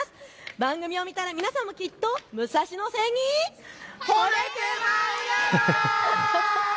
番組を見たら皆さんもきっと武蔵野線にほれてまうやろ！